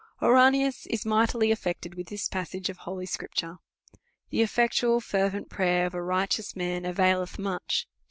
Oaranius is mightily alfccted with this passage of holy scripture : The effectual fervent prayer of a righteous man availetli much, Jam.